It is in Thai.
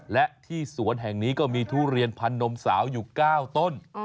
และที่สวนแห่งนี้ก็มีทุเรียนพันนมสาวอยู่๙ต้น